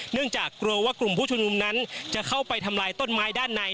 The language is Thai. เนื่องจากกลัวว่ากลุ่มผู้ชุมนุมนั้นจะเข้าไปทำลายต้นไม้ด้านใน